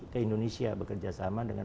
ke indonesia bekerjasama dengan